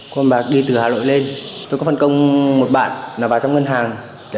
con bà đi từ hà nội lên tôi có phần công một bạn là bà trong ngân hàng